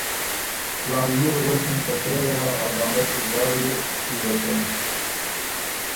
لالئے ل غوېکِن که ”سرۀ یې هۀ ا دانړۀ سو زاړيې شُوره کېم